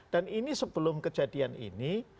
dan ini sebelum kejadian ini